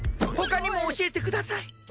他にも教えてください！